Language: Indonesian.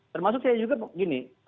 termasuk saya juga gini